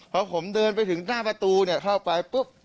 พอผมเดินไปถึงหน้าประตูเข้าไปปุ๊บ